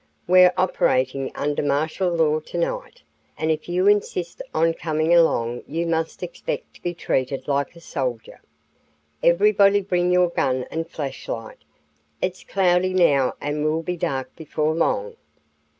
"We're operating under martial law tonight, and if you insist on coming along you must expect to be treated like a soldier. Everybody bring your gun and flashlight. It's cloudy now and will be dark before long."